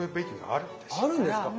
あるんですか？